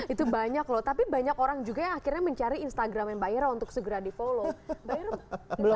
itu banyak loh tapi banyak orang juga yang akhirnya mencari instagramnya mbak ira untuk segera di follow belum